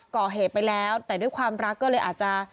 ก่อเหตุไปแล้วแต่ด้วยความรักก็เลยอาจจะ